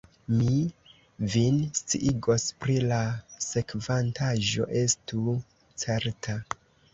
Mi vin sciigos pri la sekvantaĵo, estu certa!